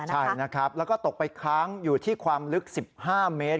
ใช่นะครับแล้วก็ตกไปค้างอยู่ที่ความลึก๑๕เมตร